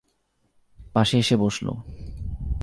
পাশে এসে বসল।